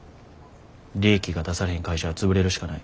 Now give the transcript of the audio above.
利益が出されへん会社は潰れるしかない。